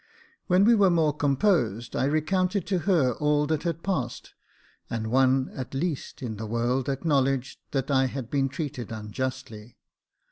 When we were more composed, I recounted to her all that had passed, and one, at least, in the world acknowledged that I had been treated unjustly.